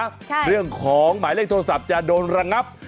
เรื่องของหมายเลขโทรศัพท์จะโดนระงับ